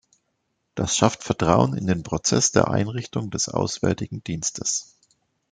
Das schafft Vertrauen in den Prozess der Einrichtung des Auswärtigen Dienstes.